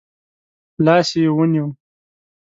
لاس يې ونیو.